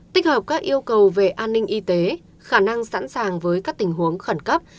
tích hợp các yêu cầu về an ninh y tế khả năng sẵn sàng với các tình huống khẩn cấp